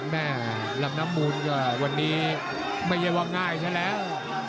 แม่ลำน้ำมูลวันนี้ไม่เยอะว่าง่ายใช่แล้ว